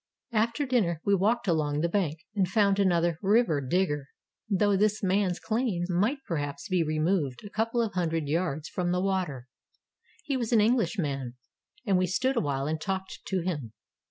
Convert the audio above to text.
After our dinner we walked along the bank and found another "river" digger, though this man's claim might perhaps be removed a couple of hundred yards from the water. He was an Enghshman, and we stood awhile and talked to him.